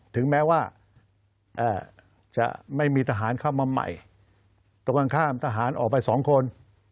ถึงแม้ว่าจะไม่มีทหารเข้ามาใหม่ตรงกันข้ามทหารออกไปสองคน